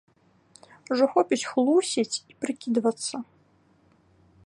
Ужо хопіць хлусіць і прыкідвацца!